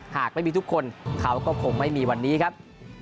หากไม่มีทุกคนเขาก็คงไม่มีวันนี้ครับ